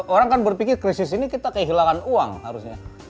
orang kan berpikir krisis ini kita kehilangan uang harusnya